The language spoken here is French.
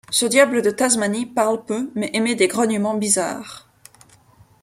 Ce diable de Tasmanie parle peu mais émet des grognements bizarres.